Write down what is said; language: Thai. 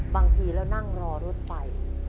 บางทีแล้วนั่งรอรถไป